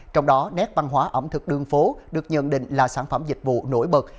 trong đó nét văn hóa ẩm thực đường phố được nhận định là sản phẩm dịch vụ nổi bật